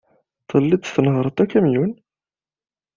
Telliḍ tnehhṛeḍ akamyun.